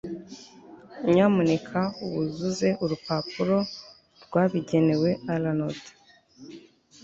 nyamuneka wuzuze urupapuro rwabigenewe alanood